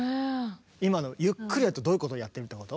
今のゆっくりやるとどういうことをやってるってこと？